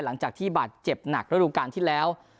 หลังจากที่บาดเจ็บหนักระดูการที่แล้ว